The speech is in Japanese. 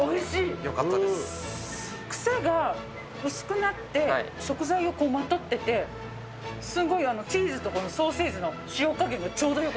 癖が薄くなって、食材をまとってて、すごいチーズとこのソーセージの塩加減がちょうどよく